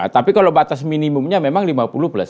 tapi kalau batas minimumnya memang lima puluh plus